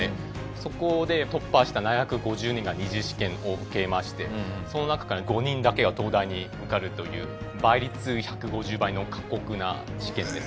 そこで突破した７５０人が２次試験を受けましてその中から５人だけが東大に受かるという倍率１５０倍の過酷な試験です。